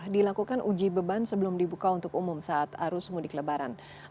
dilakukan uji beban sebelum dibuka untuk umum saat arus mudik lebaran